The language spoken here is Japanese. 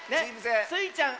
スイちゃん